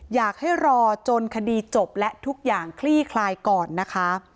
อยากให้รอจนคดีจบและทุกอย่างคลี่คลายก่อนนะคะ